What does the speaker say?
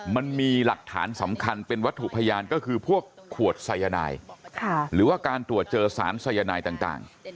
มันมีหลักฐานสำคัญเป็นวัตถุพยานก็คือพวกขวดสายนายหรือว่าการตรวจเจอสารสายนายต่าง